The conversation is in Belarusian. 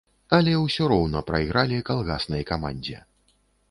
Але ўсё роўна прайгралі калгаснай камандзе.